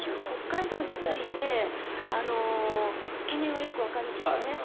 北海道について懸念はよくわかるんですね。